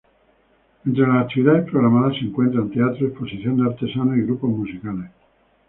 Entre las actividades programas se encuentran teatro, exposición de artesanos y grupos musicales.